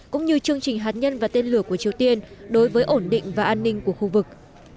cũng như chương trình hạt nhân và tên lửa của triều tiên đối với ổn định và an ninh của khu vực